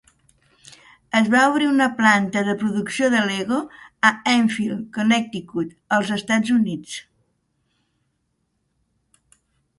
Es va obrir una planta de producció de Lego a Enfield, Connecticut, als Estats Units.